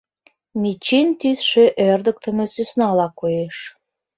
Мичин тӱсшӧ ӧрдыктымӧ сӧснала коеш.